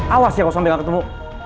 awas ya kok sampai gak ketemu